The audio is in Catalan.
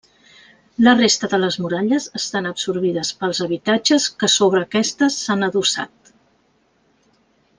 La resta de les muralles estan absorbides pels habitatges que sobre aquestes s’han adossat.